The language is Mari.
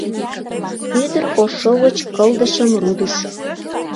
Ӱдыр ош шовыч кылдышым рудыш.